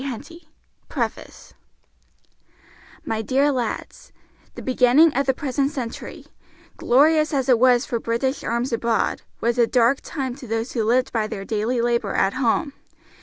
Henty PREFACE My Dear Lads: The beginning of the present century, glorious as it was for British arms abroad, was a dark time to those who lived by their daily labor at home.